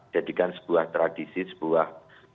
jadikan sebuah tradisi sebuah